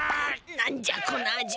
なんじゃこの味は。